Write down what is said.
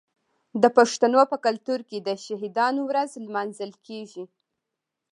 د پښتنو په کلتور کې د شهیدانو ورځ لمانځل کیږي.